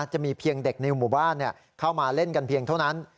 จะมีเพียงเด็กในหมู่บ้านเข้ามาเล่นกันเพียงเท่านั้น